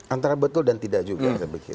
antara betul dan tidak juga